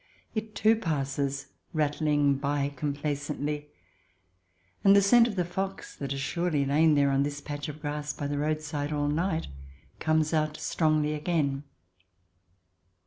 It, too, passes, rattling by complacently; and the scent of the fox, that has surely lain there on this patch of grass by the roadside all night, comes out strongly again.